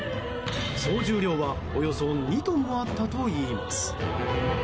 総重量はおよそ２トンもあったといいます。